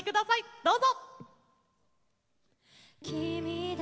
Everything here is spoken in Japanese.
どうぞ！